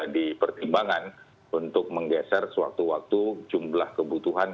akan menjadi pertimbangan untuk menggeser suatu waktu jumlah kebutuhan